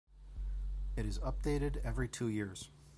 It is updated every two years.